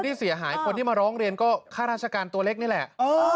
ที่เสียหายคนที่มาร้องเรียนก็ค่าราชการตัวเล็กนี่แหละ